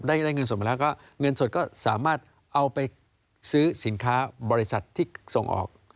ได้เงินสดมาแล้วก็เงินสดก็สามารถเอาไปซื้อสินค้าบริษัทที่ส่งออก